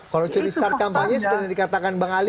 kalau curi start kampanye sudah dikatakan bang ali